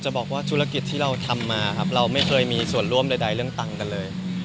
บอกว่าธุรกิจที่เราทำมาครับเราไม่เคยมีส่วนร่วมใดเรื่องตังค์กันเลย